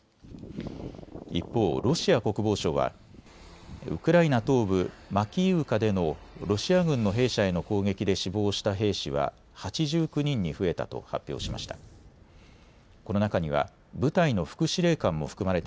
一方、ロシア国防省はウクライナ東部マキイウカでのロシア軍の兵舎への攻撃で死亡した兵士は８９人に増えたと発表しました。